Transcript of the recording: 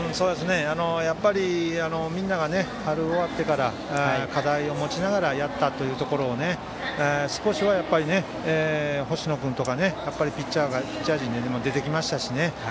やっぱりみんなが春終わってから課題を持ちながらやったというところを少しは星野君とかピッチャー陣も出てきましたしね。